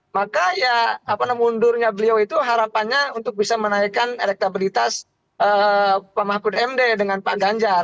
maka ya apa namanya mundurnya beliau itu harapannya untuk bisa menaikkan elektabilitas pak mahfud md dengan pak ganjar